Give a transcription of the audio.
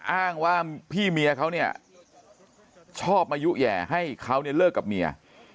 อ้างว่าพี่เมียเขาเนี่ยชอบมายุแห่ให้เขาเนี่ยเลิกกับเมีย